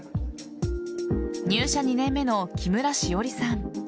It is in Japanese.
入社２年目の木村汐莉さん。